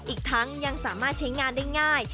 อีกทั้งยังสามารถใช้งานได้ง่าย